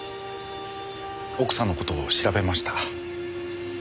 奥さんの事を調べました。